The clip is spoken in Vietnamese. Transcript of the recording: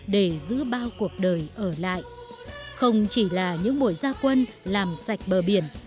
để giữ bao cuộc đời ở lại không chỉ là những buổi gia quân làm sạch bờ biển